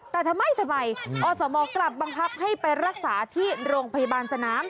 แต่ทำไมทำไมอสมกลับบังคับให้ไปรักษาที่โรงพยาบาลสนาม